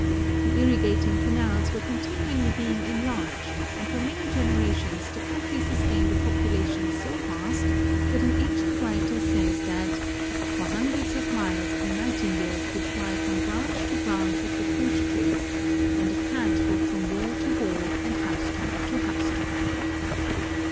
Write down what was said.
The irrigating canals were continually being enlarged, and for many generations the country sustained a po})ulatioii so vast that an ancient writer says that " for hundreds of miles a night ingale could fly from branch to branch of the fruit trees and a cat walk from wall to wall and housetop to housetop."